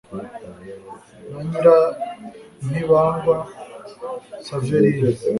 na nyirantibangwa saverina